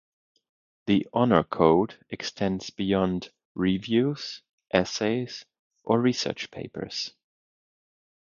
The Honor Code extends beyond 'reviews,' essays, or research papers.